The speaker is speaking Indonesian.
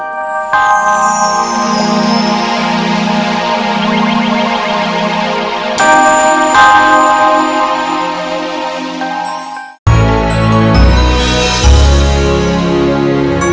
nanti tuh lu simpen dong